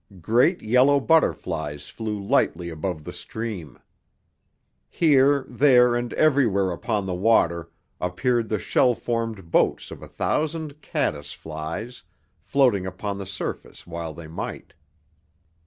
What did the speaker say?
Great yellow butterflies flew lightly above the stream. Here, there, and everywhere upon the water appeared the shell formed boats of a thousand caddis flies, floating upon the surface while they might.